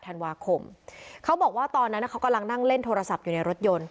ธันวาคมเขาบอกว่าตอนนั้นเขากำลังนั่งเล่นโทรศัพท์อยู่ในรถยนต์